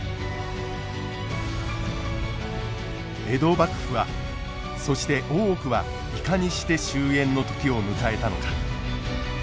江戸幕府はそして大奥はいかにして終えんの時を迎えたのか。